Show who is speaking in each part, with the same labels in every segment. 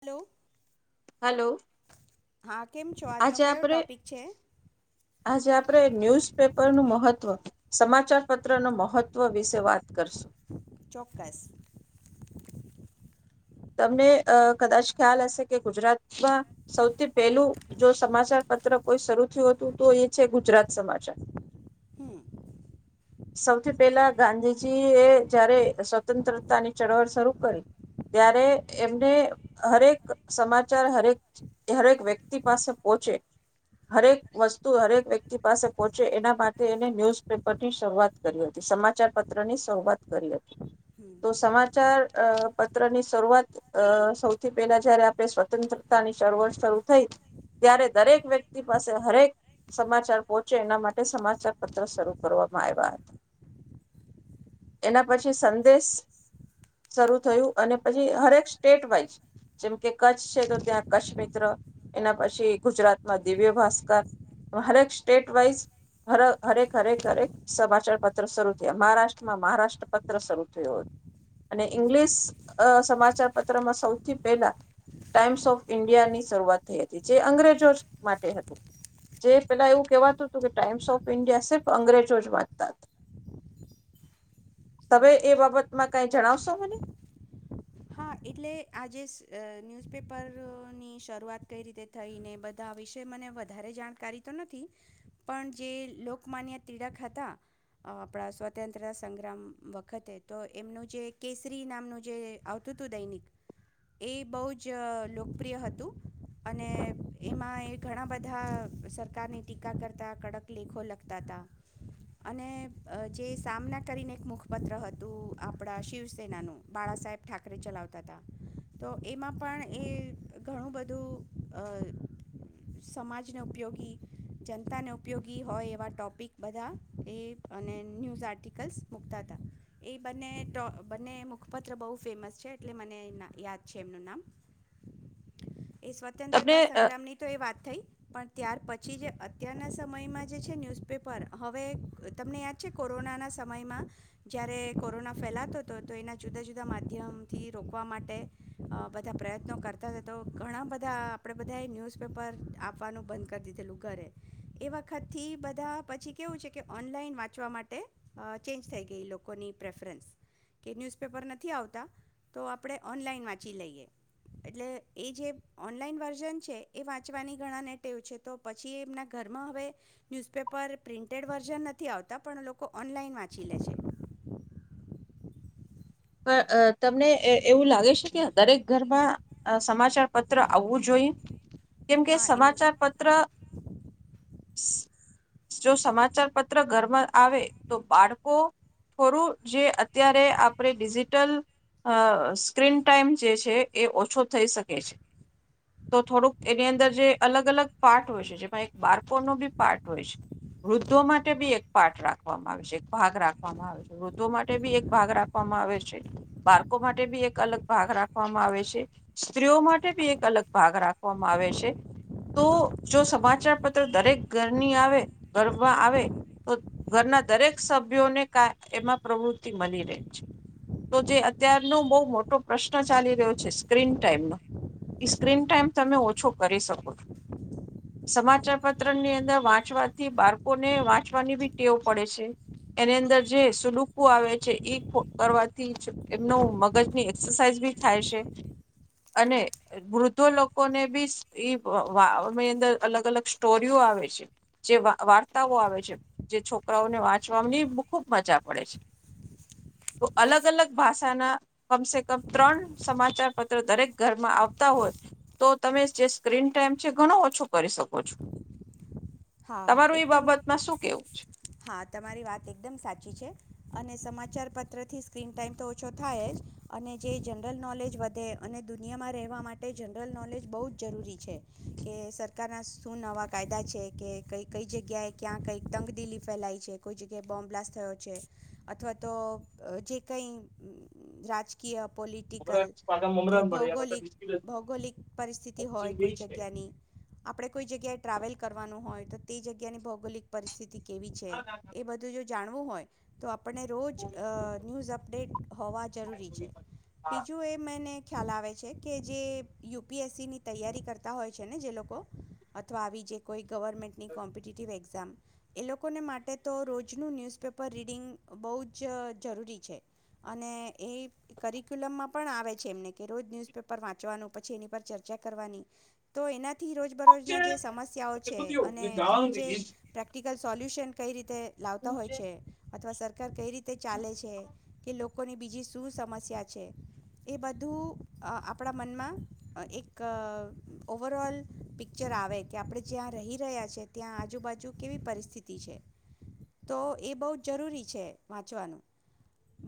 Speaker 1: Hello
Speaker 2: hello
Speaker 1: હા કેમ છો આજનો
Speaker 2: આજે
Speaker 1: કયો
Speaker 2: આપડે
Speaker 1: ટોપિક છે
Speaker 2: આજે આપડે ન્યુઝ પેપર નું મહત્વ સમાચારપત્ર નુ મહત્વ વિશે વાત કરશું.
Speaker 1: ચોક્કસ.
Speaker 2: તમને અ કદાચ ખ્યાલ હશે કે ગુજરાતમાં સૌથી પહેલું જો સમાચાર પત્ર કોઈ શરૂ થયું હતું તો એ છે ગુજરાત સમાચાર
Speaker 1: હમ
Speaker 2: સૌથી પહેલા ગાંધીજી એ જયારે સ્વતંત્રતાની ચળવળ શરૂ કરી ત્યારે એમને હરેક સમાચાર હરેક હરેક વ્યક્તિ પાસે પોહોંચે હરેક વસ્તુ હરેક વ્યક્તિ પાસે પહોંચે એના માટે એને ન્યૂઝ પેપરની શરૂઆત કરી હતી સમાચાર પત્રની શરૂઆત કરી હતી તો સમાચાર પત્ર ની શરૂઆત સૌથી પહેલા જયારે આપણે સ્વતંત્રતા ની ચવળ શરૂ થઈ ત્યારે દરેક વ્યક્તિ પાસે હરેક સમાચાર પહોચે એના માટે સમાચાર પત્ર શરૂ કરવામાં આવ્યા હતા એના પછી સંદેશ શરૂ થયું. અને પછી હરેક સ્ટેટ વાઈઝ જેમ કે કચ્છ છે તો ત્યાં કચ્છ મિત્ર એના પછી ગુજરાતમાં દિવ્ય ભાસ્કર હરેક સ્ટેટ વાઈઝ હરેક હરેક હરેક સમાચાર પત્ર શરૂ થયા મહારાષ્ટ્રમાં મહારાષ્ટ્ર પત્ર શરૂ થયો હતું અને
Speaker 1: હમ
Speaker 2: ઇંગ્લિશ અ સમાચાર પત્રમાં સૌથી પહેલા ટાઇમ્સ ઓફ ઈન્ડિયા ની શરૂઆત થઈ હતી જે અંગ્રેજો માટે હતું જે પેલા એવું કહેવાતું હતું કે ટાઈમ્સ ઓફ ઇન્ડિયા સિર્ફ અંગ્રેજો જ વાંચતા હતા. તવે
Speaker 1: બરાબર
Speaker 2: એ
Speaker 1: છે
Speaker 2: બાબતમાં કઈ જણાવશો? [unintelligible]
Speaker 1: હા એટલે આજે ન્યૂઝપેપરની શરૂઆત કઈ રીતે થઈ ને એ બધા વિશે મને વધારે જાણકારી તો નથી પણ જે લોકમાન્ય તિળક હતા આપણા સ્વતંત્રતા સંગ્રામ વખતે તો એમનું જે કેસરી નામનું જે આવતું હતું દૈનિક એ બહુ જ લોકપ્રિય હતું અને એમાં એ ઘણા બધા સરકારની ટીકા કરતા કડક લેખો લખતા હતા અને જે સામના કરીને એક મુખપત્ર હતું આપણા શિવસેનાનું બાળા સાહેબ ઠાકરે ચલાવતા હતા તો એમાં પણ એ ઘણું બધું અ સમાજને ઉપયોગી જનતાને ઉપયોગી હોય એવા ટોપિક બધા એ અને ન્યૂઝ આર્ટિકલ્સ મૂકતા હતા એ બંને બંને મુખપત્ર બહુ ફેમસ છે એટલે મને યાદ છે એમનું નામ એ
Speaker 2: તમને
Speaker 1: સ્વતંત્રતા
Speaker 2: અ
Speaker 1: સંગ્રામ ની તો એ વાત થઈ પણ ત્યાર પછી જે અત્યારના સમયમાં જે છે ન્યુઝપેપર હવે તમને યાદ છે કોરોનાના સમયમાં જયારે કોરોના ફેલાતો હતો તો એના જુદા જુદા માધ્યમથી રોકવા માટે અ બધા પ્રયત્નો કરતા હતા તો ઘણા બધા આપણેે બધાએ ન્યૂઝપેપર આપવાનું બંધ કરી દીધેલું ઘરે એ વખતથી બધા પછી કેવું છે કે ઓનલાઈન વાંચવા માટે અ ચેન્જ થઈ ગઈ લોકોની પ્રેફરન્સ કે ન્યૂઝપેપર ન થી આવતા તો આપણે ઓનલાઈન વાંચી લઈએ એટલે એ જે ઓનલાઈન વર્ઝન છે એ વાંચવાની ઘણાને ટેવ છે તો પછી એમના ઘરમાં હવે ન્યૂઝપેપર પ્રિન્ટેડ વર્ઝન નથી આવતા પણ લોકો ઓનલાઈન વાંચી લે છે.
Speaker 2: પણ અ તમને એવું લાગે છે કે દરેક ઘરમાં સમાચાર પત્ર આવવું જોઈએ કેમ કે
Speaker 1: હા એવું
Speaker 2: સમાચાર પત્ર જો સમાચાર પત્ર ઘરમાં આવે તો બાળકો થોડું જે અત્યારે આપણે ડિજિટલ અ સ્ક્રીન ટાઈમ જે છે એ ઓછો થઈ શકે છે તો થોડુંક એની અંદર જે અલગ અલગ પાર્ટ હોય છે જેમાં એક બાળકોનો બી પાર્ટ હોય છે વૃદ્ધો માટે બી એક પાર્ટ રાખવામાં આવે છે એક ભાગ રાખવામાં આવે છે વૃદ્ધો માટે બી એક ભાગ રાખ [unintelligible] બાળકો માટે બી એક અલગ ભાગ રાખવામાં આવે છે સ્ત્રીઓ માટે બી એક અલગ ભાગ રાખવામાં આવે છે તો જો સમાચાર પત્ર દરેક ઘરની આવે ઘરમાં આવે તો ઘરના દરેક સભ્યોને ક એમાં પ્રવૃતિ મલી રે છે. તો જે અત્યારનો બો મોટો પ્રશ્ન ચાલી રહ્યો છે સ્ક્રીન ટાઈમનો એ સ્ક્રીન ટાઈમ તમે ઓછો કરી શકો છો સમાચાર પત્રની અંદર વાંચવાથી બાળકોને વાંચવાની બી ટેવ પડે છે એની અંદર જે સુડુકો આવે છે એ કરવાથી એમનું મગજની એક્સરસાાઈઝ બી થાય છે અને વૃદ્ધો લોકોને બી વાની અંદર અલગ અલગ સ્ટોરીઓ આવે છે જે વા વાર્તાઓ આવે છે જે છોકરાઓને વાંચવાની ખૂબ મજા પડે છે. તો અલગ અલગ ભાષાના કમસે કમ ત્રણ સમાચાર પત્ર દરેક ઘરમાં આવતા હોય તો તમે જે સ્ક્રીન ટાઈમ છે ઘણો ઓછો કરી શકો છો.
Speaker 1: હા હા
Speaker 2: તમારું એ
Speaker 1: એકદમ
Speaker 2: બાબતમાં શું કેવું છે?
Speaker 1: હા તમારી વાત એકદમ સાચી છે. અને સમાચાર પત્ર થી સ્ક્રીન ટાઈમ તો ઓછો થાય જ અને જે જનરલ નોલેજ વધે અને દુનિયામાં રહેવા માટે જનરલ નોલેજ બહુ જ જરૂરી છે કે સરકારના શું નવા કાયદા છે કે કઈ કઈ જગ્યાએ ક્યાં કઈક તંગદિલી ફેલાય છે કોઈ જગ્યાએ બોમ્બ બ્લાસ્ટ થયો છે અથવા તો જે કઈ રાજકીય પોલિટિકલ કે ભૌગોલિક ભૌગોલિક પરિથિતિ હોય કોઈ જગ્યાની આપડે કોઈ જગ્યાએ ટ્રાવેલ કરવાનું હોય તો તે જગ્યા ની ભૌગોલિક પરિસ્થિતિ કેવી છે એ બધું જો જાણ વુ હોય તો આપને રોજ અ ન્યૂઝ અપડેટ હોવા જરૂરી છે બીજું એ મે ખ્યાલ આવે છે કે જે યુપીએસસી ની તૈયારી કરતા હોય છે ને જે લોકો અથવા આવી જે કોઈ ગવર્મેન્ટની કોમ્પિટટિવ એક્ઝામ એ લોકોને માટે તો રોજનું ન્યૂઝપેપર રીડિંગ બહુ જ જરૂરી છે અને એ કરિક્યુલમમાં પણ આવે છે એમને કે રોજ ન્યૂઝપેપર વાંચવાનું પછી એની પર ચર્ચા કરવાની તો એના થી રોજબરોજના જે સમસ્યાઓ એનુ જે પ્રેક્ટીકલ. પોલ્યુન કઈ રીતે લાવતા હોય છે અથવા સરકાર કઈ રીતે ચાલે છે કે. લોકોની બીજી શું સમસ્યા છે એ બધું આપણા મનમાં એક ઓવરઓલ પિક્ચર આવે કે આપણે જ્યાં રહી રહ્યા છે, ત્યાં આજુબાજુ કેવી પરિસ્થિતિ છે, તો એ બહુ જ જરૂરી છે, વાંચવાનું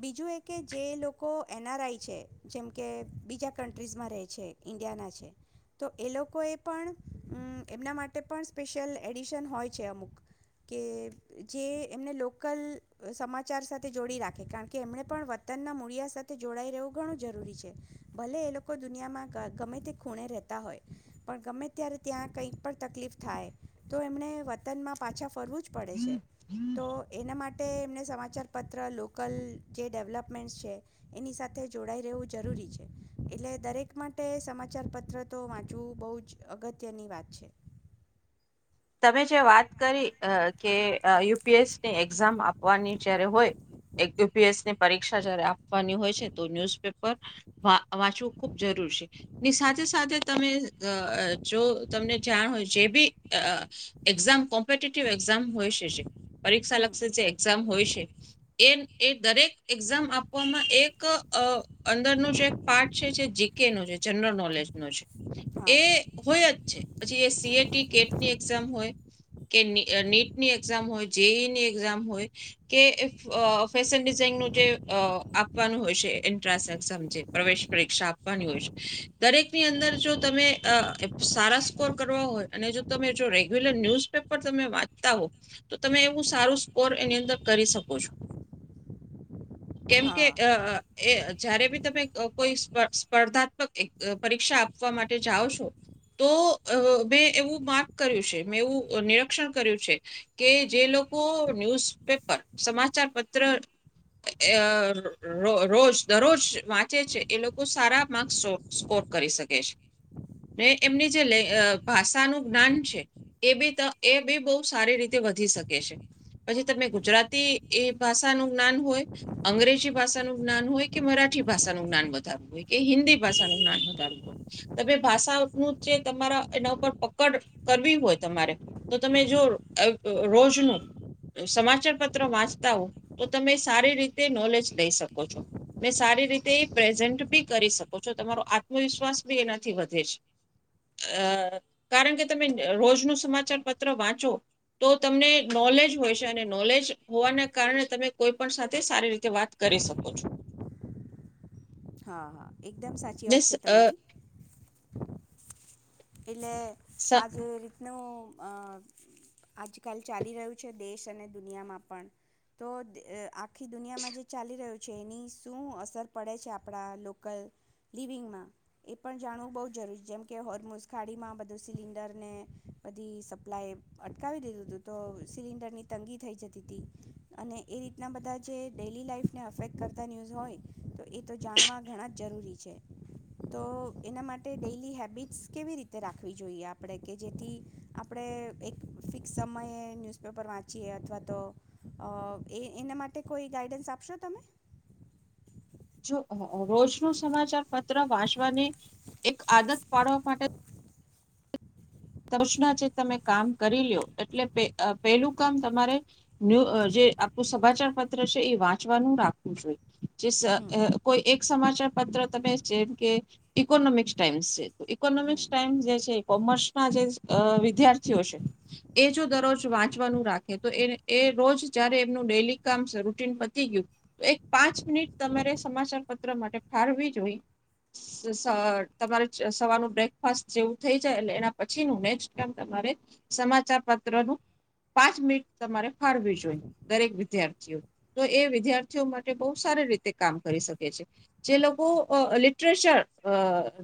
Speaker 1: બીજું એ કે જે લોકો એનઆરઆઈ છે, જેમ કે બીજા કન્ટ્રીઝમાં રહે છે ઇન્ડિયાના છે, તો એ લોકોએ પણ એમના માટે માટે પણ સ્પેશિયલ એડિશન હોય છે અમુક કે જે એમને લોકલ સમાચાર સાથે જોડી રાખે કારણ કે એમણે પણ વતનના મૂળિયા સાથે જોડાઈ રહેવું ઘણું જરૂરી છે, ભલે એ લોકો દુનિયામાં ગમે તે ખૂણે રહેતા હોય, પણ ગમે ત્યારે ત્યાં કંઈ પણ. તકલીફ થાય તો એમણે વતનમાં પાછા. ફરવું જ પડે છે તો એના માટે માટે એમને સમાચારપત્ર લોકલ જે ડેવલપમેન્ટ્સ છે એની સાથે જોડાઈ રહેવું જરૂરી છે. એટલે દરેક માટે સમાચારપત્ર તો વાંચવું બહુ જ અગત્યની વાત છે.
Speaker 2: તમે જે વાત કરી કે યુપીએસ ની એક્ઝામ આપવાની જયારે હોય, યુપીએસ ની પરીક્ષા જયારે આપવાની હોય છે, તો ન્યુઝપેપર વાંચવું ખૂબ જરૂર છે. ની સાથે સાથે તમે જો તમને જાણ હોય જે બી એક્ઝામ કમ્પિટી એઝામ હોય સે શુ? પરીક્ષા
Speaker 1: હમ
Speaker 2: લક્ષી જે એક્ઝામ હોય શું? એ એ દરેક એક્ઝામ આપવામાં એક અંદરનું જે એક પાર્ટ છે, જે જીકે નું છે, જનરલ નોલેજ નું છે.
Speaker 1: હા
Speaker 2: એ હોય. પછી એ સીએટી કેટની? એક્ઝામ હોય કે નીટની એક્ઝામ હોય, જેઈની એક્ઝામ હોય કે ફેશન ડિઝાઇનનું જે આપવાનું હોય છે, એન્ટ્રાન્સ એક્ઝામ જે પ્રવેશ પરીક્ષા આપવાની હોય છે. દરેક ની અંદર જો તમે સારા સ્કોર કરવા હોય અને જો તમે રેગ્યુલર ન્યુઝપેપર તમે વાંચતા હો તો તમે એવું સારું સ્કોર એની અંદર કરી શકો છો. કેમ
Speaker 1: હા
Speaker 2: કે અ એ જયારે બી તમે કોઈ સ્પર્ધાત્મક પરીક્ષા આપવા માટે જાઓ છો, તો મેં એવું માર્ક છે. મે એવું નિરીક્ષણ કર્યું છે કે જે લોકો ન્યુઝપેપર સમાચાર પત્ર રોજ દરરોજ વાંચે છે, એ લોકો સારા માર્ક સ્કોર કરી શકે છે ને એમની જે ભાષાનું જ્ઞાન છે. એ બી એ બી બહુ સારી રીતે વધી શકે છે. પછી તમે ગુજરાતી એ ભાષાનું જ્ઞાન હોય, અંગ્રેજી ભાષાનું જ્ઞાન હોય કે મરાઠી ભાષાનું જ્ઞાન વધારવું હોય, કે હિન્દી ભાષાનું જ્ઞાન વધારવું હોય, તમે ભાષાનું જે તમારા એના ઉપર પકડ કરવી હોય તમારે તો તમે જો રોજનું સમાચાર પત્ર વાંચતા હો, તો તમે સારી રીતે નોલેજ લઈ શકો છો ને સારી રીતે પ્રેઝન્ટ બી કરી શકો છો. તમારો આત્મવિશ્વાસ બી એનાથી વધે છે, કારણ કે તમે રોજનું સમાચાર પત્ર વાંચો, તો તમને નોલેજ હોય છે અને નોલેજ હોવાના કારણે તમે કોઈ પણ સાથે સારી રીતે વાત કરી શકો છો.
Speaker 1: હા હા. એકદમ સાચી
Speaker 2: ને
Speaker 1: વાત છે,
Speaker 2: સ- અ,
Speaker 1: તમારી.
Speaker 2: સ-
Speaker 1: [unintelligible] નું આજકાલ ચાલી રહ્યું છે દેશ અને દુનિયામાં પણ તો આખી દુનિયામાં જે ચાલી રહ્યું છે, એની શું અસર પડે છે, આપણા લોકલ લિવિંગમાં એ પણ જાણવું બહુ જરૂરી છે. જેમકે હોર્મોસ ખાડીમાં બધું સિલિન્ડર ને બધી સપ્લાય અટકાવી દીધું હતું, તો સિલિન્ડરની તંગી થઈ જતી હતી. અને એ રીતના બધા જે ડેલી લાઈફને અફેક્ટ કરતા ન્યૂઝ હોય તો એ તો જાણવા ઘણા. જરૂરી છે, તો એના માટે ડેલી હેબિટ્સ કેવી રીતે રાખવી જોઈએ આપણે કે જેથી આપણે એક ફિક્સ સમયે ન્યૂઝપેપર વાંચીએ? અથવા તો એ એના માટે કોઈ ગાઈડન્સ આપશો તમે?
Speaker 2: જો રોજ નો સમાચાર પત્ર વાંચવાની એક આદત પાડવા માટે. ના, જે તમે કામ કરી લ્યો એટલે પહેલું કામ તમારે ન્યૂ જે આપણું સમાચાર પત્ર છે, એ વાંચવાનું રાખવું જોઈએ. જે
Speaker 1: હમ
Speaker 2: કોઈ એક સમાચાર પત્ર, તમે જેમ કે ઈકોનોમિક્સ ટાઈમ્સ છે, ઈકોનોમિક્સ
Speaker 1: હમ
Speaker 2: ટાઈઇમ્સ જે છે. કોમર્સ વિદ્યાર્થીઓ છે એ જો દરરોજ વાંચવાનું રાખે, તો એ એ રોજ જયારે એમનું ડેલી કામ રૂટીન પતી ગયું એક પાંચ મિનિટ તમારે સમાચાર પત્ર માટે ફળવી જોઈએ. તમારે સવારનું બ્રેકફાસ્ટ જેવું થઈ જાય એટલે એના તમારે સમાચાર પત્ર નું પાંચ મિનટ તમારે ફાળવી જોઈએ. દરેક વિદ્યાર્થીઓ તો એ વિદ્યાર્થીઓ માટે બહુ સારી રીતે કામ કરી શકે છે, જે લોકો લિટરેચર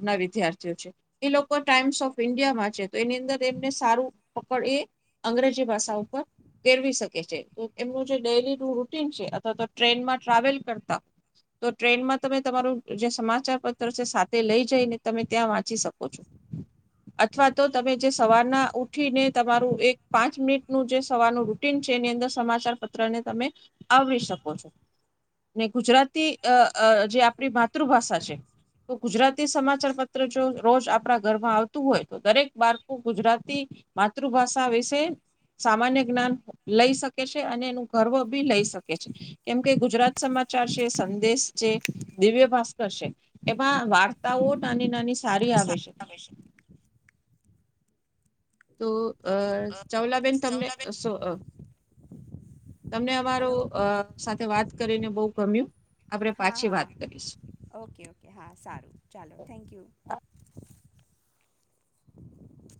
Speaker 2: ના વિદ્યાર્થીઓ છે, એ લોકો ટાઈમ્સ ઓફ ઇન્ડિયામાં તો એની અંદર એમને સારું પકડ એ અંગ્રેજી ભાષા ઉપર ફેરવી શકે છે. એમનું જે ડેલી રૂટીન છે અથવા તો ટ્રેનમાં ટ્રાવેલ કરતા હોય તો, ટ્રેનમાં તમે તમારું જે સમાચાર પત્ર છે સાથે લઈ જઈને તમે ત્યાં વાંચી શકો છો. અથવા તો તમે જે સવારના ઉઠીને તમારું એક પાંચ મિનિટનું જે સવારનું રૂટીન છે. એની અંદર સમાચાર પત્રને તમે આવરી શકો છો ને. ગુજરાતી જે આપણી માતૃભાષા છે, તો ગુજરાતી સમાચાર પત્ર જો રોજ આપણા ઘરમાં આવતું હોય તો દરેક બાળકો ગુજરાતી માતૃભાષા વિશે સામાન્ય જ્ઞાન લઈ શકે છે, અને એનું ગર્વ બી લઈ શકે છે, કેમ કે ગુજરાત સમાચાર છે, સંદેશ છે, દિવ્ય ભાસ્કર છે. એમાં વાર્તાઓ નાની નાની. સારી આવે છે
Speaker 1: [inaudible]
Speaker 2: તો અ ચાવલાબેન, તમને શો? તમને અમારો
Speaker 1: હલો
Speaker 2: અ સાથે વાત? કરીને બહુ ગમ્યું. આપણે
Speaker 1: હા
Speaker 2: પાછી વાત
Speaker 1: હા,
Speaker 2: કરીશું
Speaker 1: ઓકે ઓકે, હા સારું, ચાલો થેન્ક યુ.